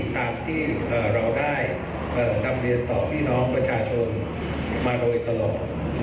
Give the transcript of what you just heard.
ตามที่เราได้นำเรียนต่อพี่น้องประชาชนมาโดยตลอด